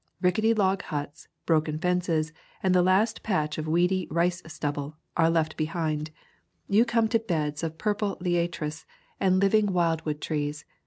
Rickety log huts, broken fences, and the last patch of weedy rice stubble are left behind. You come to beds of purple liatris and [ 66 ] Camping among the Tombs living wild wood trees.